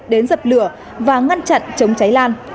đến dập lửa và ngăn chặn chống cháy lan